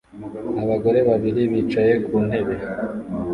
Abagore babiri bicaye ku ntebe